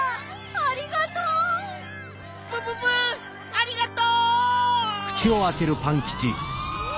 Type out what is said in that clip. ありがとう！うわ！